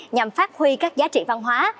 nhằm phát huy các giá trị văn hóa